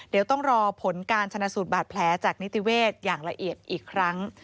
เดี๋ยวต้องรอผลการชนะสูตรบาดแผลจากนิติเวศอย่างละเอียดอีกครั้ง